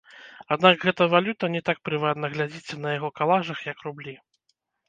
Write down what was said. Аднак гэта валюта не так прывабна глядзіцца на яго калажах, як рублі.